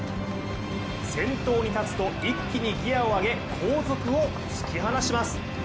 先頭に立つと一気にギヤを上げ後続を突き放します。